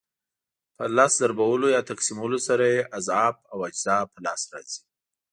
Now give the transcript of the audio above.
په لس ضربولو یا تقسیمولو سره یې اضعاف او اجزا په لاس راځي.